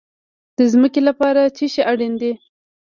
د ځمکې لپاره څه شی اړین دي؟